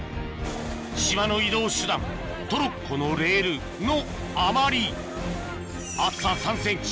島の移動手段トロッコのレールの余り厚さ３ｃｍ